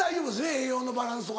栄養のバランスとか。